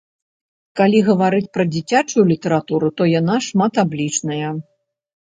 Калі гаварыць пра дзіцячую літаратуру, то яна шматаблічная.